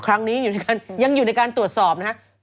ครั้งนี้ยังอยู่ในการตรวจสอบนะครับ